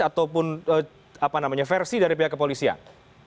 atau apa namanya versi dari pihak kepolisian